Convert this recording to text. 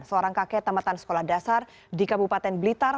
seorang kakek tamatan sekolah dasar di kabupaten blitar